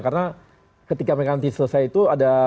karena ketika mereka selesai itu